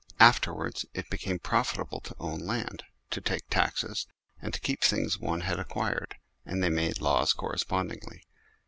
Afterwards it became profitable to own land, to take taxes, and to keep things one had acquired, and they made laws correspondingly.